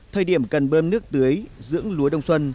thời điểm cần bơm nước tưới dưỡng lúa đông xuân